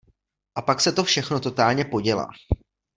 A pak se to všechno totálně podělá.